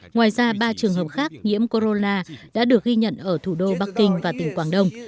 ngoài ra ba trường hợp khác nhiễm corona đã được ghi nhận ở thủ đô bắc kinh và tỉnh quảng đông